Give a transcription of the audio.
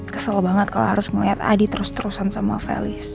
kesel banget kalau harus ngeliat adi terus terusan sama felis